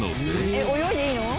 えっ泳いでいいの？